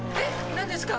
何ですか？